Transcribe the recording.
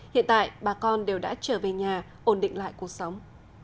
hiện tại bà con đều đã trở về nhà ổn định lại cuộc sống